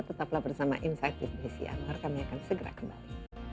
tetaplah bersama insak gede si anwar kami akan segera kembali